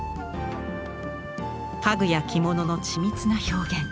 家具や着物の緻密な表現。